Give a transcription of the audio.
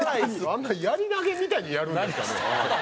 あんなやり投げみたいにやるんですかね。